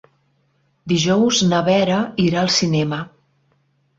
Dijous na Vera irà al cinema.